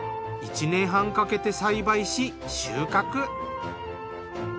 １年半かけて栽培し収穫。